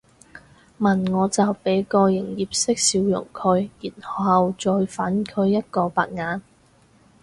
問我就俾個營業式笑容佢然後再反佢一個白眼